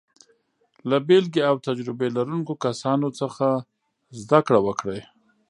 له بېلګې او تجربه لرونکو کسانو څخه زده کړه وکړئ.